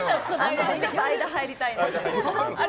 ちょっと間入りたいです。